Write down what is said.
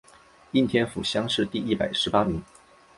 应天府乡试第一百十八名。